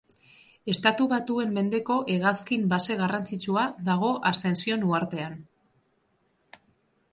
Estatu Batuen mendeko hegazkin base garrantzitsua dago Ascension uhartean.